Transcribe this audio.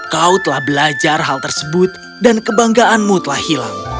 kau telah belajar hal tersebut dan kebanggaanmu telah hilang